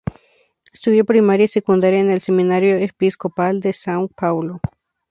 Estudió primaria y secundaria en el Seminario Episcopal de São Paulo.